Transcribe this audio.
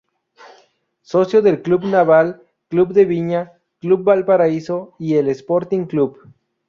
Socio del Club naval, Club de Viña, Club Valparaíso y el Sporting Club.